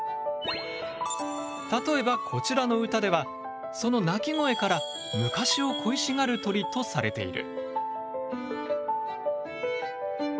例えばこちらの歌ではその鳴き声から昔を恋しがる鳥とされている。